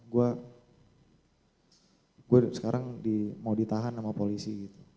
gue sekarang mau ditahan sama polisi gitu